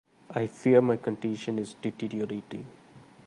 I fear my condition is deteriorating.